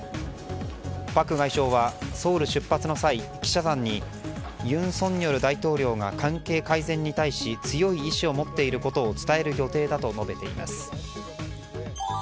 パク外相はソウル出発の際記者団に尹錫悦大統領が関係改善に対し強い意志を持っていることを伝える予定だと述べています。